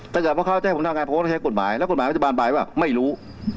ถ้าเกิดเพราะเขาจะให้ผมทำงานโปรโนเทศกฎหมายแล้วกฎหมายมันจะบานไปว่าไม่รู้